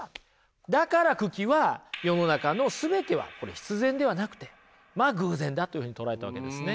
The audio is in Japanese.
だから九鬼は世の中の全てはこれ必然ではなくてまあ偶然だというふうに捉えたわけですね。